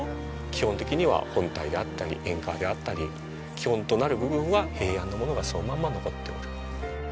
基本的には、本体であったり縁側であったり、基本となる部分は平安のものがそのまま残っておる。